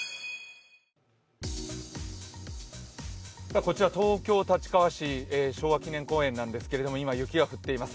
こちら東京・立川市昭和記念公園なんですけど今、雪が降っています。